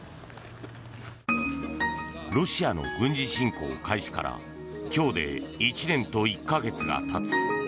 ロシアの軍事侵攻開始から今日で１年と１か月が経つ。